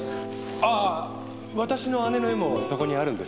ああ私の姉の絵もそこにあるんですかね？